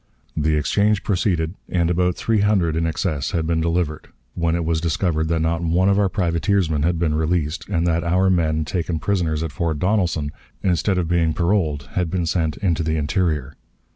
The exchange proceeded, and about three hundred in excess had been delivered, when it was discovered that not one of our privateersmen had been released, and that our men taken prisoners at Fort Donelson, instead of being paroled, had been sent into the interior.